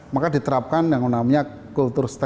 maka diterapkan yang namanya kultur strategi